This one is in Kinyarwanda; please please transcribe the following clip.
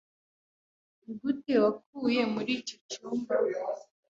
Nigute wakuye muri icyo cyumba?